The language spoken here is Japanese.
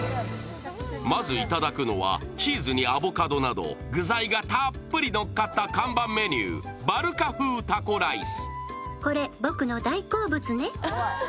まずいただくのは、チーズにアボカドなど具材がたっぷり乗っかった看板メニュー、バルカ風タコライス。